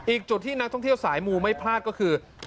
อีกจุดที่นักท่องเที่ยวสายมูไม่พลาดก็คือ